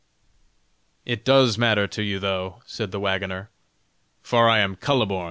"It does matter to you, though," said the wagoner, "for I am Kuhleborn."